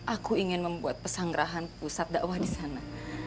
aku ingin membuat pesanggerahan pusat dakwah di sana